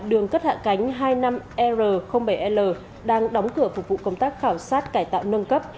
đường cất hạ cánh hai mươi năm r bảy l đang đóng cửa phục vụ công tác khảo sát cải tạo nâng cấp